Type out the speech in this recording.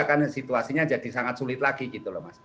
kan situasinya jadi sangat sulit lagi gitu loh mas